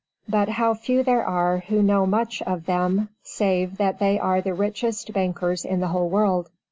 But how few there are who know much of them save that they are the richest bankers in the whole world.